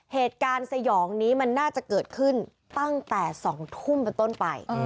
เหตุการณ์สยองนี้มันน่าจะเกิดขึ้นตั้งแต่๒ทุ่มผ่านต้นไป